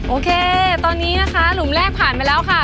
โอเคตอนนี้นะคะหลุมแรกผ่านไปแล้วค่ะ